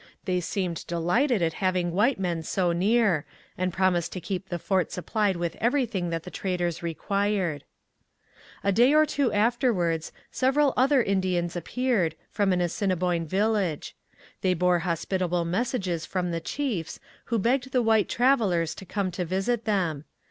They seemed delighted at having white men so near, and promised to keep the fort supplied with everything that the traders required. A day or two afterwards several other Indians appeared, from an Assiniboine village. They bore hospitable messages from the chiefs, who begged the white travellers to come to visit them.